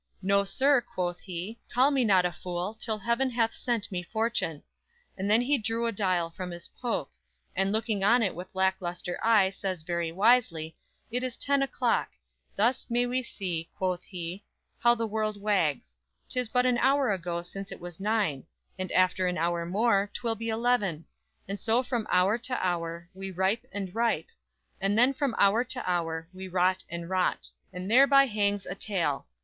No, sir, quoth he, Call me not fool, till heaven hath sent me fortune; And then he drew a dial from his poke; And looking on it with lack luster eye Says very wisely: It is ten o'clock; Thus may we see, quoth he, how the world wags; 'Tis but an hour ago since it was nine; And after an hour more, 'twill be eleven; And so from hour to hour, we ripe and ripe, And then from hour to hour, we rot and rot, And thereby hangs a tale!